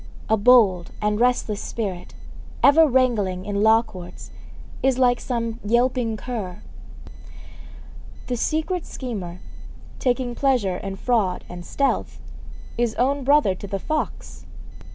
A bold and restless spirit, ever wrangling in law courts, is like some yelping cur. The secret schemer, taking pleasure in fraud and stealth, is own brother to the fox.